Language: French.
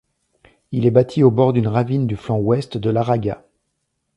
Il est bâti au bord d'une ravine du flanc ouest de l'Aragats.